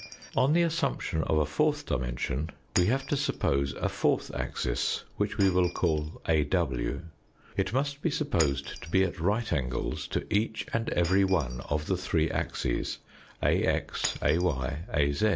On the assumption of a fourth dimension we have to suppose a fourth axis, which we will call AW. It must be supposed to be at right angles to each and every one of the three axes AX, AY, AZ.